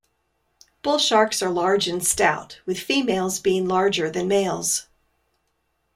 Bull sharks are large and stout, with females being larger than males.